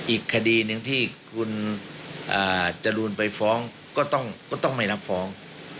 อีกคดีหนึ่งที่คุณจรูนไปฟ้องก็ต้องไม่รับฟ้อง